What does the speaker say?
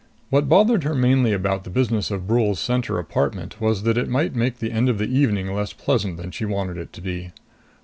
What bothered her mainly about the business of Brule's Center apartment was that it might make the end of the evening less pleasant than she wanted it to be.